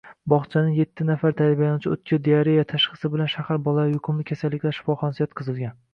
Bogʻchaning yetti nafar tarbiyalanuvchisi oʻtkir diareya tashxisi bilan shahar bolalar yuqumli kasalliklar shifoxonasiga yotqizilgan.